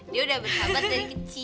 dia udah berhabat dari kecil